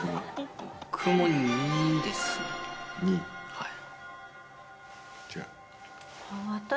はい。